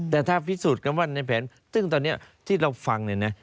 แต่ถ้าพิสูจน์กันว่าในแผนซึ่งตอนนี้ที่เราฟังเนี่ยนะ